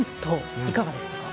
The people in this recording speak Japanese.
いかがでしたか？